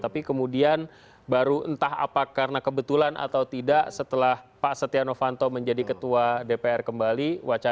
tapi kemudian baru entah apa karena kebetulan atau tidak setelah pak setia novanto menjadi ketua dpr kembali